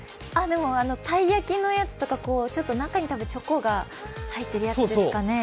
たい焼きのやつとか、中にたぶんチョコが入っているやつですかね？